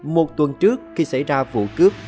một tuần trước khi xảy ra vụ cướp